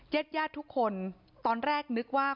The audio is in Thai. เย็ดทุกคนตอนแรกนึกว่า